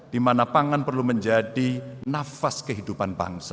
di mana pangan perlu menjadi nafas kehidupan bangsa